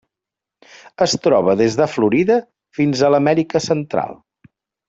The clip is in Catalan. Es troba des de Florida fins a l'Amèrica Central.